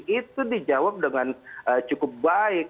itu dijawab dengan cukup baik